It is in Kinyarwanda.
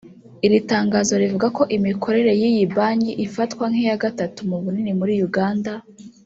Iri tangazo rivuga ko imikorere y’iyi banki ifatwa nk’iya gatatu mu bunini muri Uganda